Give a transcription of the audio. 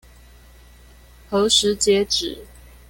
何時截止？